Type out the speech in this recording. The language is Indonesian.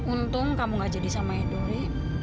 untung kamu gak jadi sama edo ri